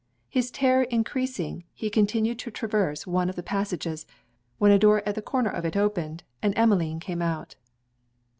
His terror encreasing, he continued to traverse one of the passages, when a door at the corner of it opened, and Emmeline came out.